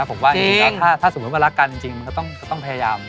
ผมว่าจริงแล้วถ้าสมมุติว่ารักกันจริงมันก็ต้องพยายาม